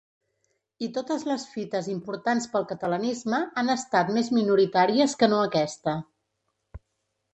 I totes les fites importants pel catalanisme han estat més minoritàries que no aquesta.